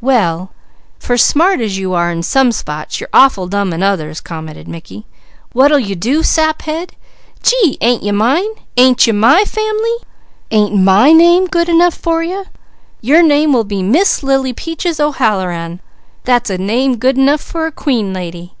"Well, for smart as you are in some spots, you're awful dumb in others," commented Mickey. "What'll you do, saphead? Gee! Ain't you mine? Ain't you my family? Ain't my name good enough for you? Your name will be Miss Lily Peaches O'Halloran. That's a name good enough for a Queen Lady!"